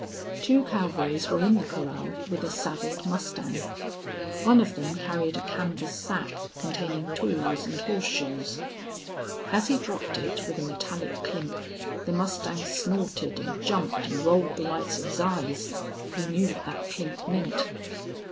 Two cowboys were in the corral with a saddled mustang. One of them carried a canvas sack containing tools and horseshoes. As he dropped it with a metallic clink the mustang snorted and jumped and rolled the whites of his eyes. He knew what that clink meant.